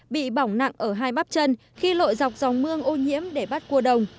bị bỏng nặng ở hai bắp chân khi lội dọc dòng mương ô nhiễm để bắt cua đồng